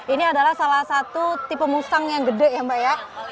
ini adalah salah satu tipe musang yang gede ya mbak ya